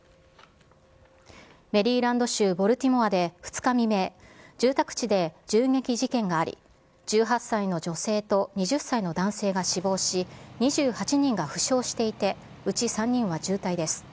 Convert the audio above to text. メリーランド州ボルティモアで２日未明、住宅地で銃撃事件があり、１８歳の女性と２０歳の男性が死亡し、２８人が負傷していて、うち３人は重体です。